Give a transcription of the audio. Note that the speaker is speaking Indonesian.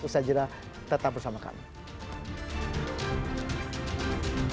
usaha jeda tetap bersama kami